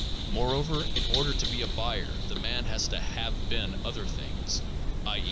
More over, in order to be a buyer the man has to have been other things ; i. e.